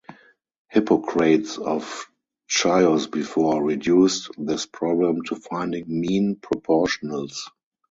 Hippocrates of Chios before, reduced this problem to finding mean proportionals.